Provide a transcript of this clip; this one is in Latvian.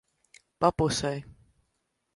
Pa pusei.